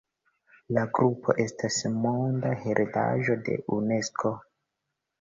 La grupo estas Monda heredaĵo de Unesko.